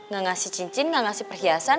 gak ngasih cincin gak ngasih perhiasan